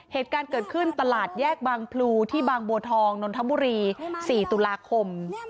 เหตุการณ์เกิดขึ้นตลาดแยกบางพลูที่บางบัวทองนนทบุรี๔ตุลาคม